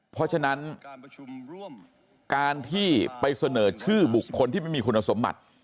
เพราะฉะนั้นการที่ไปเสนอชื่อบุคคลที่ไม่มีคุณสมบัติ